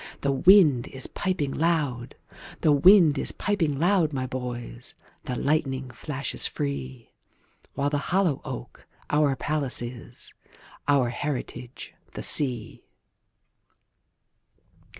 The wind is piping loud; The wind is piping loud, my boys, The lightning flashes free—While the hollow oak our palace is, Our heritage the sea.